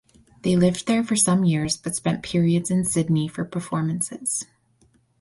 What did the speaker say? They lived there for some years but spent periods in Sydney for performances.